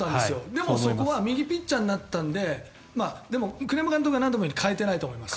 でもそこは右ピッチャーになったのででも、栗山監督は何度も言うように代えていないと思います。